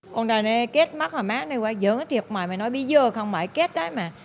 con đàn ấy kết mất rồi má dỡ cái thiệt mày mày nói bí dơ không mày kết đấy mà